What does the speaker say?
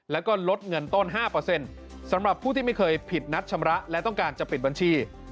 แล้วก็ลดเงินต้น๕สำหรับผู้ที่ไม่เคยผิดนัดชำระและต้องการจะปิดบัญชี